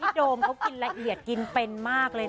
โดมเขากินละเอียดกินเป็นมากเลยนะ